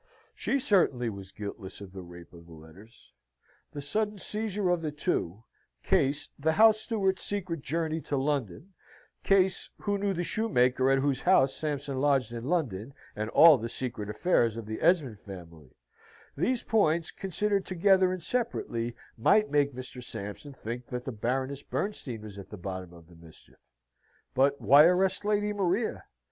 She certainly was guiltless of the rape of the letters. The sudden seizure of the two Case, the house steward's secret journey to London, Case, who knew the shoemaker at whose house Sampson lodged in London, and all the secret affairs of the Esmond family, these points, considered together and separately, might make Mr. Sampson think that the Baroness Bernstein was at the bottom of this mischief. But why arrest Lady Maria?